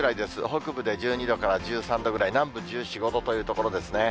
北部で１２度から１３度ぐらい、南部１４、５度というところですね。